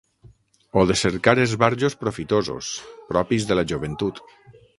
O de cercar esbarjos profitosos, propis de la joventut